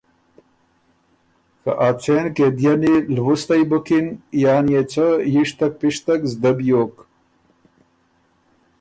که ا څېن قیدئنی لوُستئ بُکِن یان يې څۀ یِشتک پِشتک زدۀ بیوک